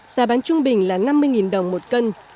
giá bán trung bình là năm mươi đồng một cân